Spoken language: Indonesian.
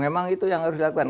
memang itu yang harus dilakukan